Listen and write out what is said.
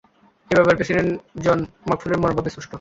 এ ব্যাপারে president John মাগুফুলির মনোভাব স্পষ্ট।